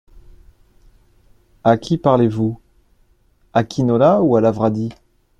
À qui parlez-vous ? à Quinola ou à Lavradi !